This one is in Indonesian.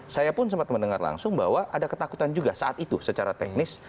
saya pun sempat mendengar langsung bahwa ada ketakutan juga saat itu secara teknis